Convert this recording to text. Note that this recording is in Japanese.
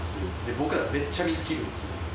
僕ら、めっちゃ水切るんです。